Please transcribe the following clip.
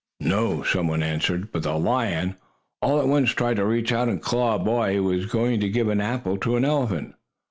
"No," some one answered. "But the lion, all at once, tried to reach out and claw a boy who was going to give an apple to an elephant.